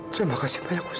terima kasih banyak ustaz